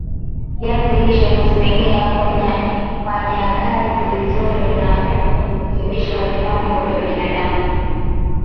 viazi lishe husaidia moyo kufanyakazi vizuri na kurekebisha mzunguko wa damu